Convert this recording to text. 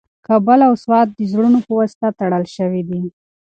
کابل او سوات د زړونو په واسطه تړل شوي دي.